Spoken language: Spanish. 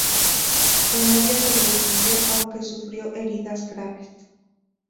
Su novia sobrevivió, aunque sufrió heridas graves.